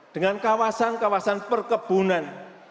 dengan kawasan kawasan perkebunan